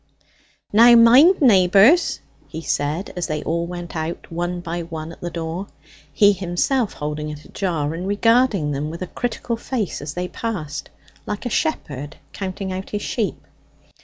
"Now mind, neighbours," he said, as they all went out one by one at the door, he himself holding it ajar and regarding them with a critical face as they passed, like a shepherd counting out his sheep.